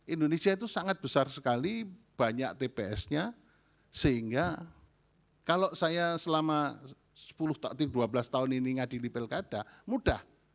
indonesia itu sangat besar sekali banyak tpsnya sehingga kalau saya selama sepuluh dua belas tahun ini ngadilipel kada mudah